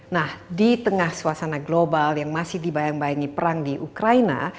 nah di tengah suasana global yang masih dibayang bayangi perang di ukraina